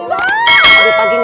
ayo silahkan turun ade